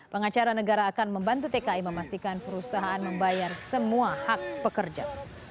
pengacara negara akan membantu tki memastikan perusahaan membayar semua hak pekerja